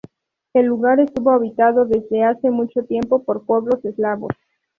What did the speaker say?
El lugar estuvo habitado desde hace mucho tiempo por pueblos eslavos.